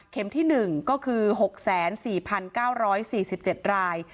เข็มที่๑ก็คือ๖๐๔๙๔๗ราย